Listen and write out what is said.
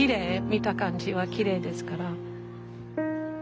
見た感じはきれいですから。